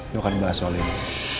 itu akan bahas soal ini